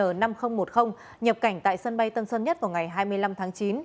vn năm trăm linh bốn nhập cảnh tại sân bay tân sơn nhất vào ngày hai mươi năm tháng chín